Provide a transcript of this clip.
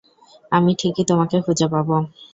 আমি ঠিকই তোমাকে খুঁজে পাবো।